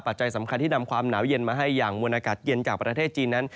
จัยสำคัญที่นำความหนาวเย็นมาให้อย่างมวลอากาศเย็นจากประเทศจีนนั้น